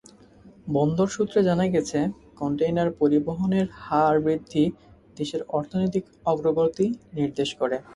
বন্দর সূত্রে জানা গেছে, কনটেইনার পরিবহনের হার বৃদ্ধি দেশের অর্থনৈতিক অগ্রগতি নির্দেশ করে।